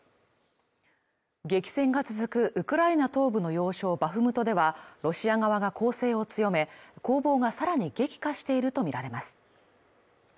激戦が続くウクライナ東部の要衝バフムトではロシア側が攻勢を強め攻防がさらに激化しているとみられます。